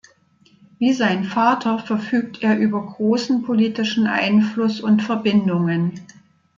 Wie sein Vater verfügt er über großen politischen Einfluss und Verbindungen.